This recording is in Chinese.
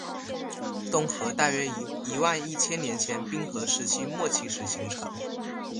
东河大约于一万一千年前冰河时期末期时形成。